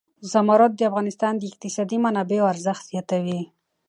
زمرد د افغانستان د اقتصادي منابعو ارزښت زیاتوي.